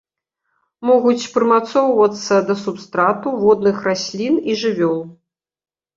Могуць прымацоўвацца да субстрату, водных раслін і жывёл.